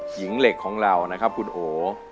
หญิงเหล็กของเรานะครับคุณโอ